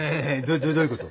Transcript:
どどういうこと？